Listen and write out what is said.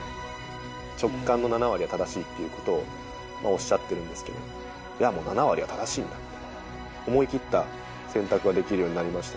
直感の７割は正しいっていうことをおっしゃっているんですけど、いやもう、７割は正しいんだと、思い切った選択ができるようになりました。